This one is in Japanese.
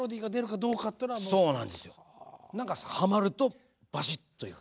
何かはまるとバシッといく。